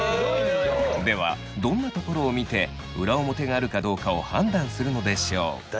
ではどんなところを見て裏表があるかどうかを判断するのでしょう。